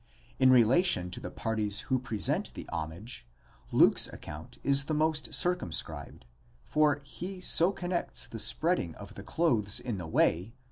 In relation to the parties who present the homage, Luke's. account is the most circumscribed, for he so connects the spreading of the clothes in the way (v.